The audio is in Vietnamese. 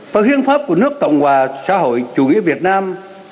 và hiến pháp của nước cộng hòa xã hội chủ nghĩa việt nam